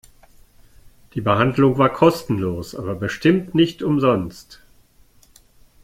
Die Behandlung war kostenlos, aber bestimmt nicht umsonst.